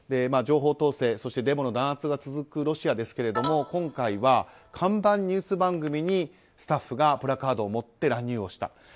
情報統制、そしてデモの弾圧が続くロシアですけれども今回は看板ニュース番組にスタッフがプラカードを持って乱入した。